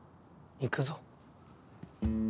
行くぞ。